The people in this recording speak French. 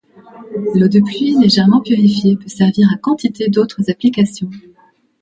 L’eau de pluie légèrement purifiée peut servir à quantité d’autres applications.